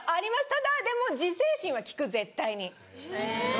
ただでも自制心は利く絶対に。